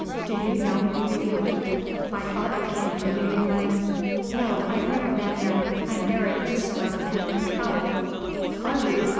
Do you know New England? My father came from New England." "No; I've never been there. I'm very insular and untravelled." "Are you?